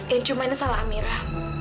yang cuma ini salah amirah